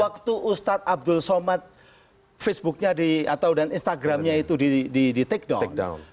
waktu ustadz abdul somad facebooknya di atau dan instagramnya itu di take down